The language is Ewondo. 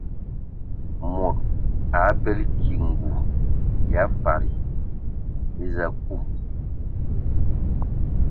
Mod abələ ki ngul ya fadi eza akum.